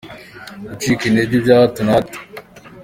Gucika intege bya hato na hato.